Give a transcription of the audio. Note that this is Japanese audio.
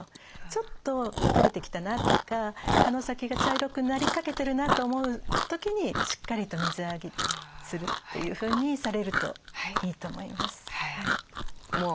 ちょっとたれてきたなとか葉の先が茶色くなりかけてるなと思う時にしっかりと水やりするというふうにされるといいと思います。